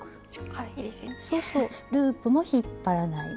そうそうループも引っ張らない。